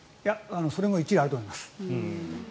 それも一理あると思います。